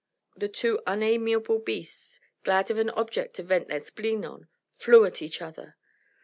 The two unamiable beasts, glad of an object to vent their spleen upon, flew at each other.